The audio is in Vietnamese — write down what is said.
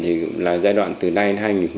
thì là giai đoạn từ nay